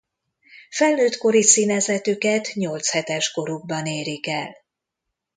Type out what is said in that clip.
Felnőttkori színezetüket nyolc hetes korukban érik el.